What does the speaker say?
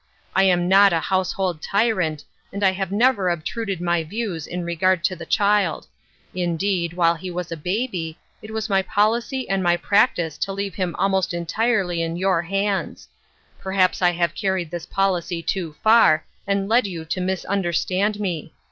I am not a household tyrant, and have never obtruded my views in regard to the child ; indeed, while he was a baby, it was my policy and my practice to leave him almost entirely in your hands. Perhaps I have carried this policy too far, and led you to misunderstand me.